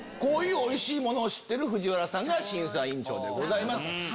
こういうおいしいものを知ってる藤原さんが審査員長でございます。